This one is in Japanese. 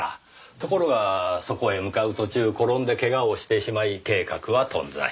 ところがそこへ向かう途中転んで怪我をしてしまい計画は頓挫した。